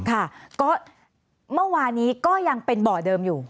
ค่ะก็เมื่อวานนี้ก็ยังเป็นบ่อเดิมอยู่